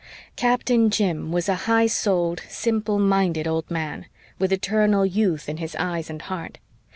Captain Jim was a high souled, simple minded old man, with eternal youth in his eyes and heart.